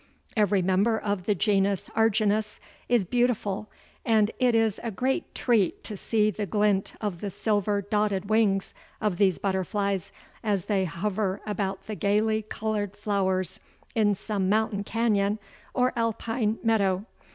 Every member of the genus Argynnis is beautiful and it is a great treat to see the glint of the silver dotted wings of these butterflies as they hover about the gaily colored flowers in some mountain canyon or alpine meadow.